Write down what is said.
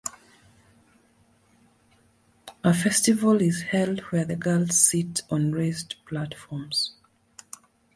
A festival is held where the girls sit on raised platforms.